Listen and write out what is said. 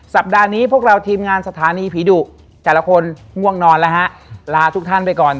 สัปดาห์นี้พวกเราทีมงานสถานีผีดุแต่ละคนง่วงนอนแล้วฮะลาทุกท่านไปก่อน